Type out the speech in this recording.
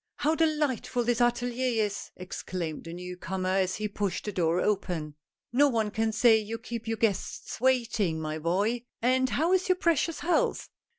How delightful this atelier is !" exclaimed the new comer as he pushed the door open. " No one can say you keep your guests waiting, my boy. And how is your precious health